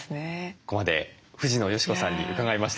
ここまで藤野嘉子さんに伺いました。